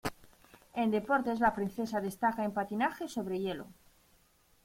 En deportes, la princesa destaca en patinaje sobre hielo.